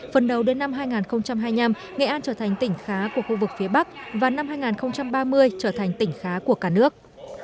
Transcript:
phần đầu đến năm hai nghìn hai mươi năm nghệ an trở thành tỉnh khá của khu vực phía bắc và năm hai nghìn ba mươi trở thành tỉnh khá của cả nước